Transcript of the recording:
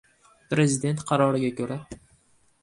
Prezident qaroriga ko‘ra...